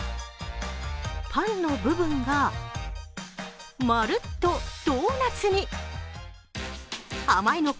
パンの部分が、まるっとドーナツに甘いのか？